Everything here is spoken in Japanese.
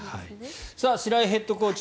白井ヘッドコーチ